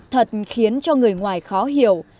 thật khiến cho người ngoài khó hiểu